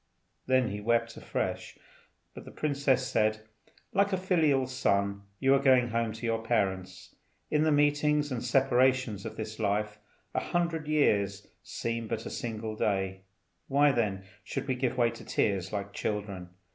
Then he wept afresh, but the princess said, "Like a filial son you are going home to your parents. In the meetings and separations of this life, a hundred years seem but a single day; why, then, should we give way to tears like children?